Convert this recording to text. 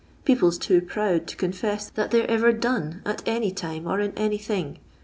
People 's too proud to confess that they 're ever ' done ' at any time or in anything.